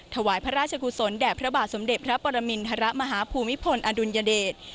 ถวายพระราชกุศลแด่พระบาทสมเด็จพระปรมินทรมาฮภูมิพลอดุลยเดช